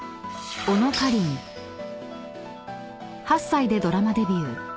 ［８歳でドラマデビュー］